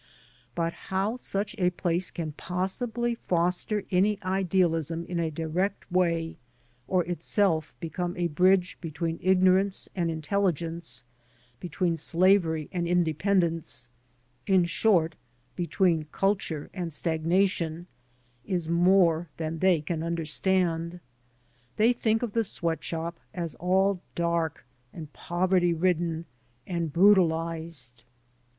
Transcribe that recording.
But how such a place can possibly foster any idealism in a direct way, or itself become a bridge between ignorance and intelUgence, between slavery and independence, in short between culture and stagna tion, is more than they can understand. They think of the sweat shop as all dark and poverty ridden and brutalized.